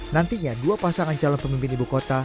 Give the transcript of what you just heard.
nantinya dua pasangan calon pemimpin ibu kota